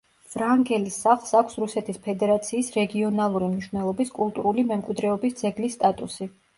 ვრანგელის სახლს აქვს რუსეთის ფედერაციის რეგიონალური მნიშვნელობის კულტურული მემკვიდრეობის ძეგლის სტატუსი.